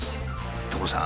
所さん！